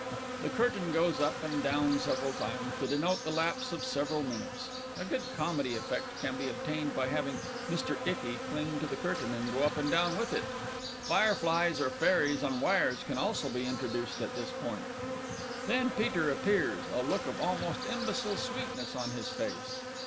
_ _The curtain goes up and down several times to denote the lapse of several minutes. A good comedy effect can be obtained by having_ MR. ICKY cling to the curtain and go up and down with it. Fireflies or fairies on wires can also be introduced at this point. Then PETER _appears, a look of almost imbecile sweetness on his face.